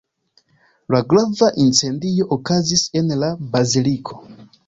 La grava incendio okazis en la baziliko.